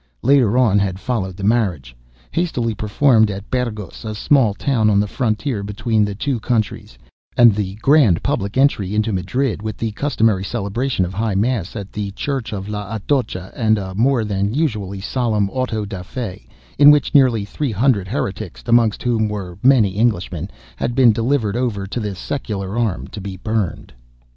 Later on had followed the marriage, hastily performed at Burgos, a small town on the frontier between the two countries, and the grand public entry into Madrid with the customary celebration of high mass at the Church of La Atocha, and a more than usually solemn auto da fé, in which nearly three hundred heretics, amongst whom were many Englishmen, had been delivered over to the secular arm to be burned.